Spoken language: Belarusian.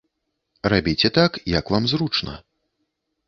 Рабіце так, як вам зручна.